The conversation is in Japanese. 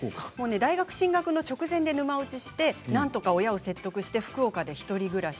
大学進学の直前に沼落ちして親を説得して福岡で１人暮らし